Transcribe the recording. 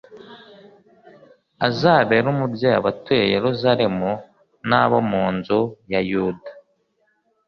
azabere umubyeyi abatuye Yeruzalemu n’abo mu nzu ya Yuda.